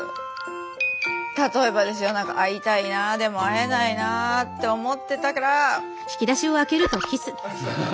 例えばですよ会いたいなでも会えないなって思ってたからあっ！